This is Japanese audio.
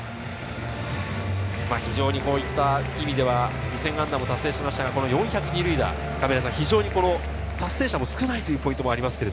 非常にこういう意味では２０００安打も達成しましたが、４００二塁打、達成者も少ないというポイントもあります。